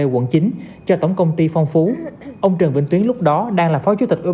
quận chín cho tổng công ty phong phú ông trần vĩnh tuyến lúc đó đang là phó chủ tịch ưu